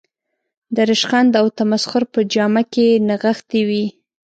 د رشخند او تمسخر په جامه کې نغښتې وي.